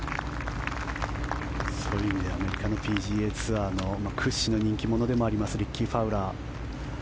そういう意味ではアメリカのＰＧＡツアーの屈指の人気者でもありますリッキー・ファウラー。